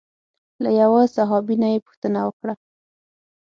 له یوه صحابي نه یې پوښتنه وکړه.